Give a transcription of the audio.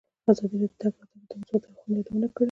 ازادي راډیو د د تګ راتګ ازادي د مثبتو اړخونو یادونه کړې.